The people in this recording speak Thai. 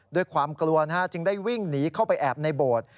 ด้วยความกลัวจึงได้วิ่งหนีเข้าไปแอบในโบสถ์